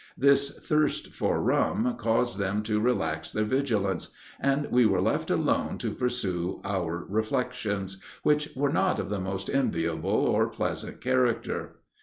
This thirst for rum caused them to relax their vigilance, and we were left alone to pursue our reflections, which were not of the most enviable or pleasant character.